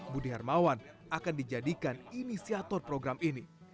budi hermawan akan dijadikan inisiator program ini